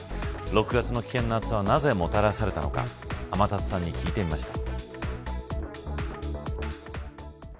６月の危険な暑さはなぜもたらされたのか天達さんに聞いてみました。